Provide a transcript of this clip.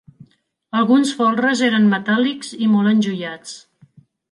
Alguns folres eren metàl·lics i molt enjoiats.